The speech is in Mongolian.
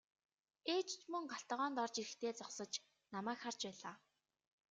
Ээж ч мөн гал тогоонд орж ирэхдээ зогсож намайг харж байлаа.